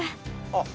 あっ